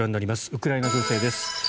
ウクライナ情勢です。